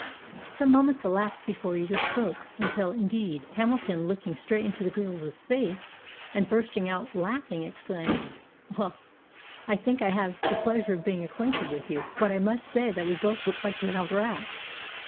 Some moments elapsed before either spoke; until, indeed, Hamilton, looking straight into the girl's face and bursting out laughing, exclaimed, "Well, I think I have the pleasure of being acquainted with you, but I must say that we both look like drowned rats!"